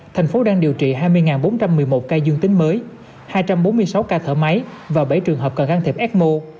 thành phố đang điều trị hai mươi bốn trăm một mươi một ca dương tính mới hai trăm bốn mươi sáu ca thở máy và bảy trường hợp cần can thiệp ecmo